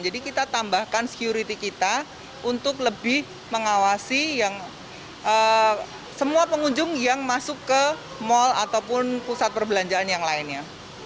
jadi kita tambahkan security kita untuk lebih mengawasi semua pengunjung yang masuk ke mal ataupun pusat perbelanjaan yang lainnya